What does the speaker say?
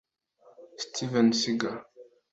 Steven Seagal